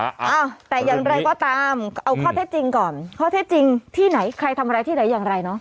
อ้าวแต่อย่างไรก็ตามเอาข้อเท็จจริงก่อนข้อเท็จจริงที่ไหนใครทำอะไรที่ไหนอย่างไรเนอะ